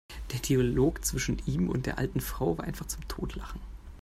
Der Dialog zwischen ihm und der alten Frau war einfach zum Totlachen!